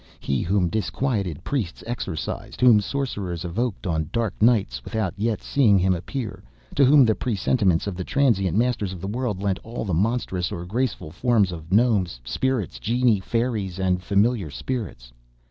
He whom disquieted priests exorcised, whom sorcerers evoked on dark nights, without yet seeing him appear, to whom the presentiments of the transient masters of the world lent all the monstrous or graceful forms of gnomes, spirits, genii, fairies, and familiar spirits.